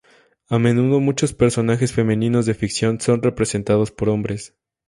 A menudo, muchos personajes femeninos de ficción son representados por hombres.